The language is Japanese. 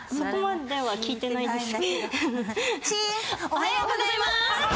おはようございます。